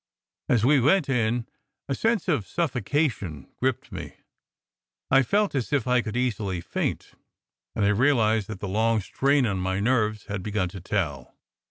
As we went in, a sense of suffocation gripped me. I felt as if I could easily faint, and I realized that the long strain on my nerves had begun to tell.